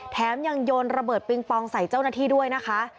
แถมยังโยนระเบิดปิงปองใส่เจ้าหน้าที่ด้วยนะคะ